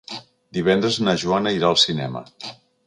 Divendres na Joana irà al cinema.